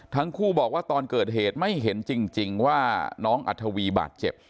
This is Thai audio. ทั้งคู่บอกว่าตอนเกิดเหตุไม่เห็นจริงว่าน้องอัธวีบาดเจ็บ